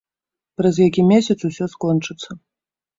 Праз які месяц усё скончыцца.